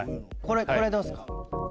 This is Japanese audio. これどうですか？